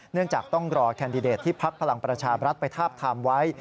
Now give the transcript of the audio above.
จากต้องรอแคนดิเดตที่พักพลังประชาบรัฐไปทาบทามไว้